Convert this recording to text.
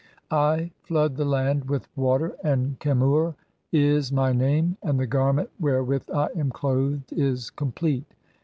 I flood [the land] with water and "'Qem ur' is (14) my name and the garment wherewith I am "clothed is complete.